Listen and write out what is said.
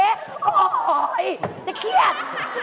โอ๊ยจะเครียด